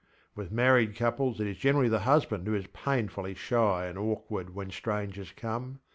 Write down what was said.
With married couples it is generally the husband who is painfully shy and awkward when strangers come.